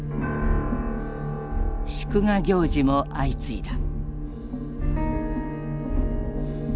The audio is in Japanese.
祝賀行事も相次いだ。